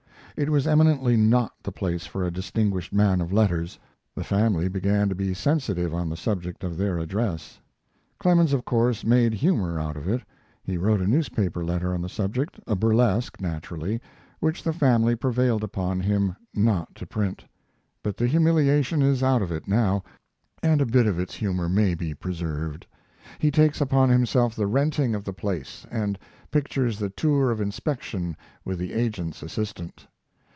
It was eminently not the place for a distinguished man of letters. The family began to be sensitive on the subject of their address. Clemens, of course, made humor out of it. He wrote a newspaper letter on the subject, a burlesque, naturally, which the family prevailed upon him not to print. But the humiliation is out of it now, and a bit of its humor may be preserved. He takes upon himself the renting of the place, and pictures the tour of inspection with the agent's assistant.